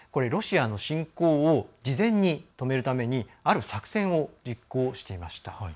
ロシアの侵攻を事前に止めるためにある作戦を実行していました。